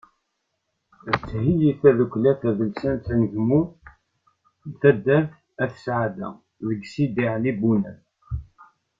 Ad d-theyyi tdukkla tadelsant “Anegmu” n taddart At Sɛada deg Sidi Ɛli Bunab.